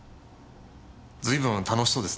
随分楽しそうですね。